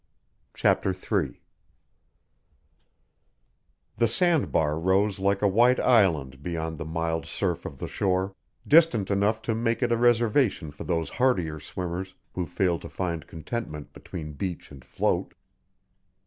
CHAPTER III The sand bar rose like a white island beyond the mild surf of the shore, distant enough to make it a reservation for those hardier swimmers who failed to find contentment between beach and float.